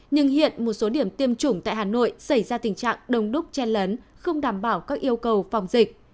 nhưng hiện một số điểm tiêm chủng tại hà nội xảy ra tình trạng đông đúc chen lấn không đảm bảo các yêu cầu phòng dịch